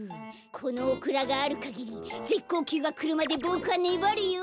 このオクラがあるかぎりぜっこうきゅうがくるまでボクはねばるよ！